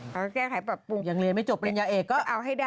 ก็แก้ไขปรับปรุงยังเรียนไม่จบเป็นยาเอกก็เอาให้ได้